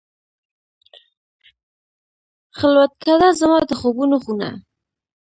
خلوتکده، زما د خوبونو خونه